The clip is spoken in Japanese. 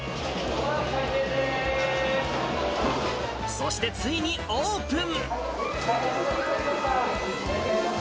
そして、ついにオープン。